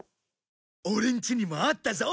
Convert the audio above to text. オレんちにもあったぞ！